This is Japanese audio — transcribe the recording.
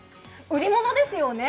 売り物ですよね？